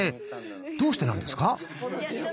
どうしてなんですか？